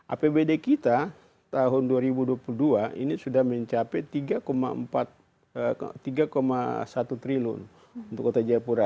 apbd kita tahun dua ribu dua puluh dua ini sudah mencapai tiga satu triliun untuk kota jayapura